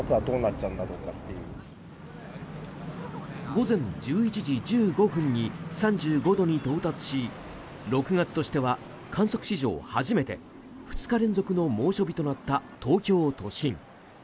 午前１１時１５分に３５度に到達し６月としては観測史上初めて２日連続の猛暑日となった東京都心。